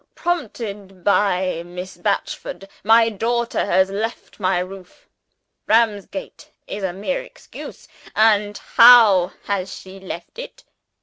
Prompted by Miss Batchford, my daughter has left my roof. Ramsgate is a mere excuse. And how has she left it?